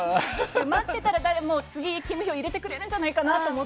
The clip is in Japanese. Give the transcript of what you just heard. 待ってたら次、勤務表を入れてくれるんじゃないかなと。